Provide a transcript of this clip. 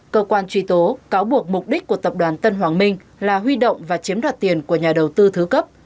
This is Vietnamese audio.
cơ quan truy tố cáo buộc mục đích của tập đoàn tân hoàng minh là huy động và chiếm đoạt tiền của nhà đầu tư thứ cấp